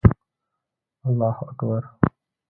الله اکبر